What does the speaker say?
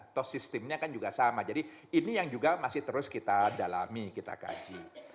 atau sistemnya kan juga sama jadi ini yang juga masih terus kita dalami kita kaji